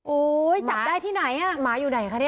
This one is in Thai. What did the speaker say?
จับได้ที่ไหนอ่ะหมาอยู่ไหนคะเนี่ย